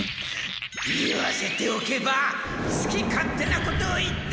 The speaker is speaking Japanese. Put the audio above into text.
言わせておけばすき勝手なことを言って！